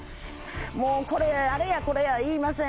もうこれあれやこれや言いません。